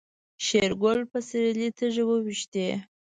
شېرګل په سيرلي تيږې وويشتې.